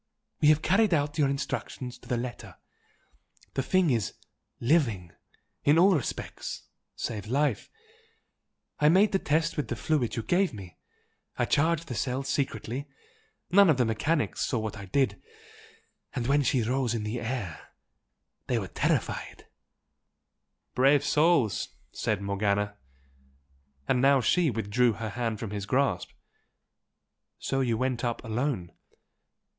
We have carried out your instructions to the letter the thing is LIVING, in all respects save life. I made the test with the fluid you gave me I charged the cells secretly none of the mechanics saw what I did and when she rose in air they were terrified " "Brave souls!" said Morgana, and now she withdrew her hand from his grasp "So you went up alone?"